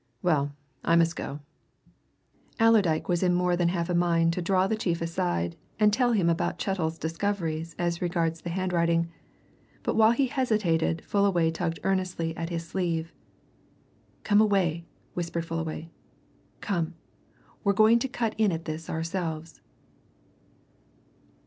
Well, I must go." Allerdyke was in more than half a mind to draw the chief aside and tell him about Chettle's discoveries as regards the handwriting, but while he hesitated Fullaway tugged earnestly at his sleeve. "Come away!" whispered Fullaway. "Come! We're going to cut in at this ourselves!"